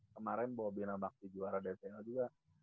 kemaren bawa bina bakti juara dbl juga